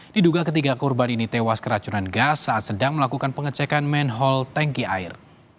diduga ketiga korban ini tewas keracunan gas saat sedang melakukan pengecekan main hall tanki air